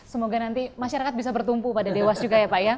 semoga nanti masyarakat bisa bertumpu pada dewas juga ya pak ya